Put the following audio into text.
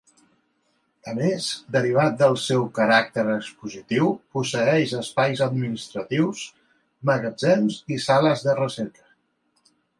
A més, derivat del seu caràcter expositiu, posseeix espais administratius, magatzems i sales de recerca.